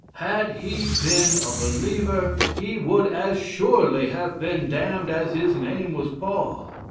Had he been a believer, he would as surely have been damned as his name was Paul.